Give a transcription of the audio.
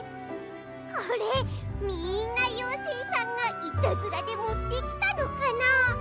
これみんなようせいさんがいたずらでもってきたのかな。